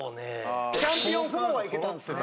「チャンピオン４」はいけたんですね。